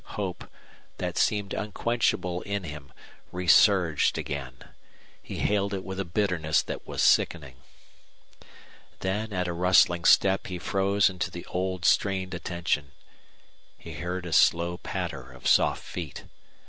Hope, that seemed unquenchable in him, resurged again. He hailed it with a bitterness that was sickening. Then at a rustling step he froze into the old strained attention. He heard a slow patter of soft feet.